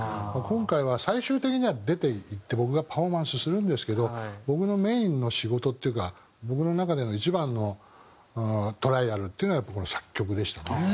今回は最終的には出ていって僕がパフォーマンスするんですけど僕のメインの仕事っていうか僕の中での一番のトライアルっていうのはやっぱこの作曲でしたね。